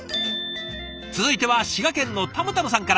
続いては滋賀県のたむたむさんから。